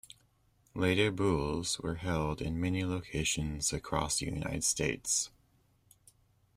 Later Boules were held in many locations across the United States.